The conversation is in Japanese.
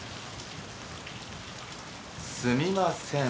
すみません。